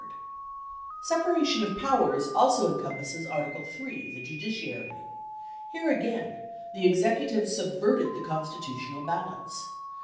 1189 Separation of powers also encompasses article III, the judiciary. Here again, the executive subverted the constitutional balance.